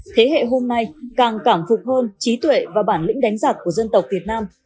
thế hệ hôm nay càng cảm phục hơn trí tuệ và bản lĩnh đánh giặc của dân tộc việt nam